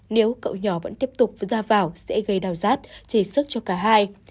nếu cậu nhỏ vẫn tiếp tục ra vào sẽ gây đau rát chảy sức cho cả hai